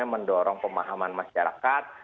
mendorong pemahaman masyarakat